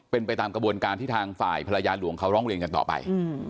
เป็นไปตามกระบวนการที่ทางฝ่ายภรรยาหลวงเขาร้องเรียนกันต่อไป